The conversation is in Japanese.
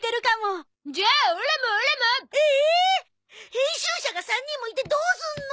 編集者が３人もいてどうすんの！